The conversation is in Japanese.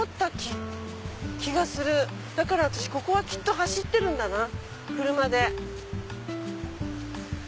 ここはきっと走ってるんだな車で。